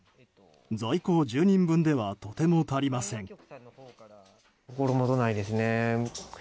在庫１０人分ではとても足りません。